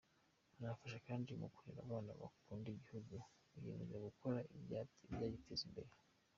Anafasha kandi mu kurera abana bakunda igihugu biyemeza gukora ibyagiteza imbere.